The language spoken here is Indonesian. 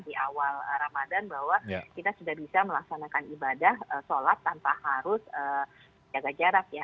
di awal ramadan bahwa kita sudah bisa melaksanakan ibadah sholat tanpa harus jaga jarak ya